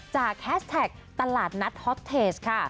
แฮชแท็กตลาดนัดฮอตเทสค่ะ